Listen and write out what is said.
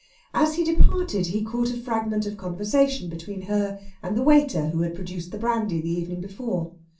As he departed he caught a fragment of conversation between her and the waiter who had produced the brandy the evening before.